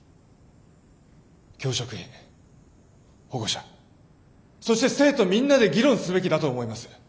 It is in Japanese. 教職員保護者そして生徒みんなで議論すべきだと思います。